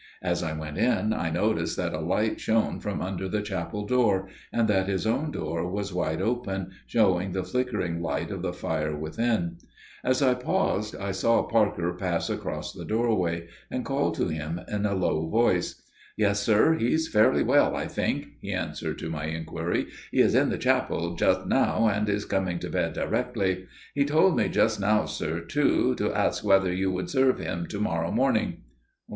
As I went in, I noticed that a light shone from under the chapel door, and that his own door was wide open, showing the flickering light of the fire within. As I paused I saw Parker pass across the doorway, and called to him in a low voice. "Yes, sir; he's fairly well, I think," he answered to my inquiry. "He is in the chapel just now, and is coming to bed directly. He told me just now, sir, too, to ask whether you would serve him to morrow morning."